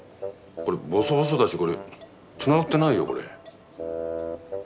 これボソボソだしこれつながってないよこれ。